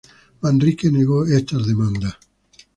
Manrique negó estas demandas.